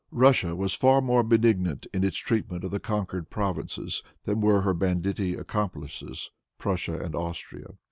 Russia was far more benignant in its treatment of the conquered provinces, than were her banditti accomplices, Prussia and Austria.